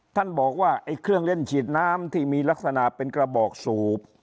ท่านบอกว่าไอ้เครื่องเล่นฉีดน้ำที่มีลักษณะเป็นกระบอกสูบ